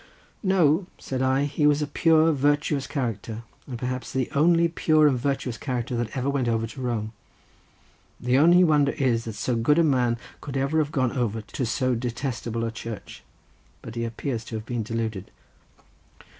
"No," said I; "he was a pure, virtuous character, and perhaps the only pure and virtuous character that ever went over to Rome. The only wonder is that so good a man could ever have gone over to so detestable a church; but he appears to have been deluded."